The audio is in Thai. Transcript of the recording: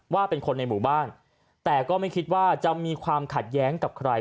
ว่าเป็นคนในหมู่บ้านแต่ก็ไม่คิดว่าจะมีความขัดแย้งกับใคร